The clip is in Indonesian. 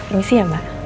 permisi ya mbak